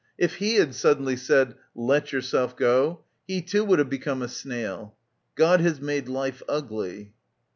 If he had suddenly said "Let yourself go" ... He too would have become a snail. God has made life ugly.